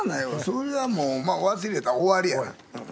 それはもう忘れたら終わりやな。